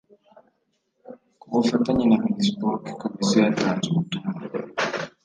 ku bufatanye na minispoc komisiyo yatanze ubutumwa